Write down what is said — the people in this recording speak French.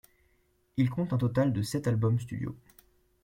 Ils comptent un total de sept albums studio.